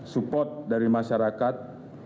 support dari masyarakat